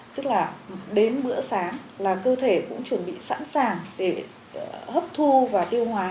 tức là đến bữa sáng là cơ thể cũng chuẩn bị sẵn sàng để hấp thu và tiêu hóa